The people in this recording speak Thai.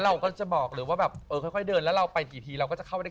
เราก็รึอ๋อแล้วอยู่ถ่วย